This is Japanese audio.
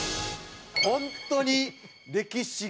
本当に歴史が。